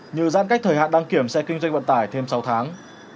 như giãn cách thời hạn đăng kiểm xe kinh doanh vận tải thêm sáu tháng